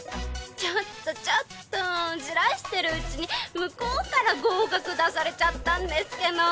ちょっとちょっとじらしてるうちに向こうから合格出されちゃったんですけど！